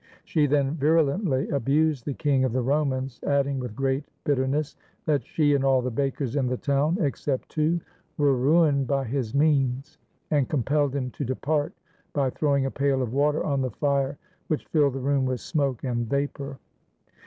She then virulently abused the King of the Romans, adding with great bit terness, that she and all the bakers in the town, except two, were ruined by his means; and compelled him to depart, by throwing a pail of water on the fire, which filled the room with smoke and vapor.